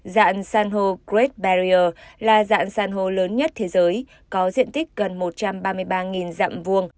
dạng san hô grade barier là dạng san hô lớn nhất thế giới có diện tích gần một trăm ba mươi ba dặm vuông